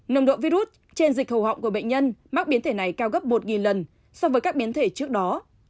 nồng độ virus trên dịch hồ họng của bệnh nhân mắc biến thể này cao gấp một lần so với các biến thể trước đó